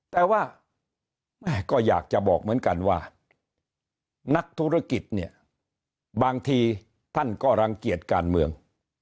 แต่ว่าแม่ก็อยากจะบอกเหมือนกันว่านักธุรกิจเนี่ยบางทีท่านก็รังเกียจการเมือง